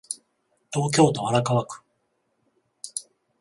東京都荒川区